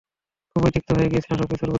খুবই তিক্ত হয়ে গিয়েছিলাম সবকিছুর প্রতি।